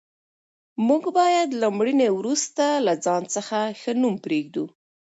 موږ باید له مړینې وروسته له ځان څخه ښه نوم پرېږدو.